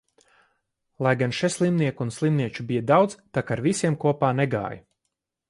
Lai gan še slimnieku un slimnieču bija daudz, tak ar visiem kopā negāju.